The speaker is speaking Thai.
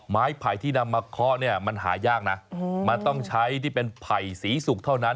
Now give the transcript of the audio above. ไผ่ที่นำมาเคาะเนี่ยมันหายากนะมันต้องใช้ที่เป็นไผ่สีสุกเท่านั้น